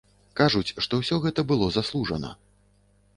Кажуць, што ўсё гэта было заслужана.